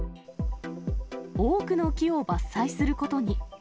多くの木を伐採することに。